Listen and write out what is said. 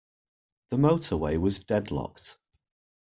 The motorway was deadlocked.